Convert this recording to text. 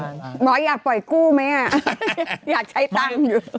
จะให้หมอยากปล่อยกู้ไหมอยากใช้ตั้งอยู่